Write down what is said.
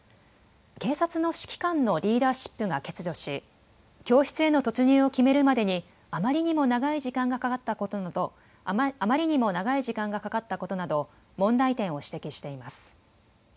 警察の指揮官のリーダーシップが欠如し教室への突入を決めるまでにあまりにも長い時間がかかったことなど問題点を指摘しています。